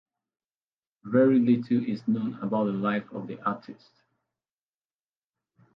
Very little is known about the life of the artist.